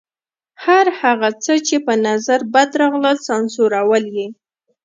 هر هغه څه چې په نظر بد راغلل سانسورول یې.